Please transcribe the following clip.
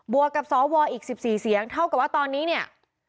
วกกับสวอีก๑๔เสียงเท่ากับว่าตอนนี้เนี่ย